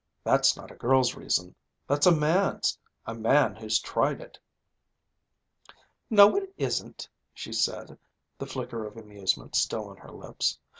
That's not a girl's reason. That's a man's ... a man who's tried it!" "No, it isn't!" she said, the flicker of amusement still on her lips.